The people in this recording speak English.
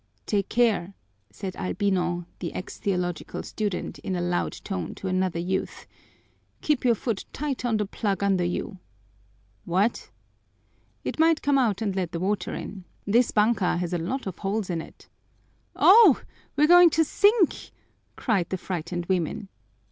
"Take care," said Albino, the ex theological student, in a loud tone to another youth. "Keep your foot tight on the plug under you." "What?" "It might come out and let the water in. This banka has a lot of holes in it." "Oh, we're going to sink!" cried the frightened women.